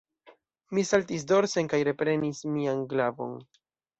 Mi saltis dorsen kaj reprenis mian glavon.